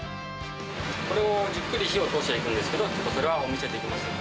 これをじっくり火を通していくんですけど、それはお見せできません。